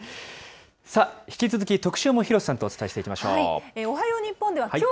引き続き特集も廣瀬さんとお伝えしていきましょう。